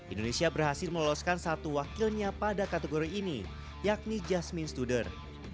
indonesia berhasil meloloskan satu wakilnya pada kategori ini yakni jasmine studer